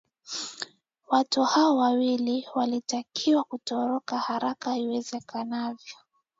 watu hao wawili walitakiwa kutoroka haraka iwezekanavyo